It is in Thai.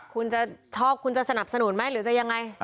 คุณจะชอบคุณจะสนับสนุนไหมหรือจะยังไง